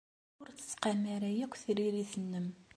Ur d-tettqam ara akk tririt-nnem.